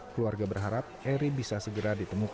keluarga berharap eri bisa segera ditemukan